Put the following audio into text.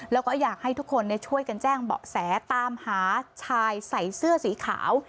แล้วก็อยากให้ทุกคนช่วยกันแจ้งเบาะแสตามหาชายใส่เสื้อสีขาว